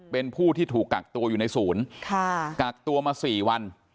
เป็นผู้ที่ถูกกักตัวอยู่ในศูนย์กักตัวมา๔วัน